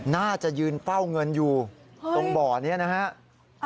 น่าจะยืนเฝ้าเงินอยู่ตรงบ่อนี้นะฮะ